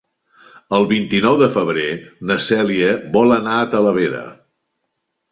El vint-i-nou de febrer na Cèlia vol anar a Talavera.